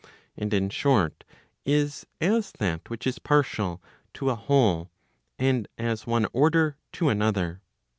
And in short, is as that which is partial, to a whole, and as one order to another.